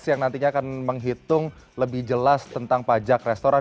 yang nantinya akan menghitung lebih jelas tentang pajak restoran